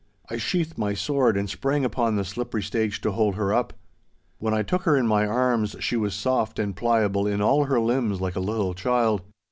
I sheathed my sword, and sprang upon the slippery stage to hold her up. When I took her in my arms she was soft and pliable in all her limbs like a little child.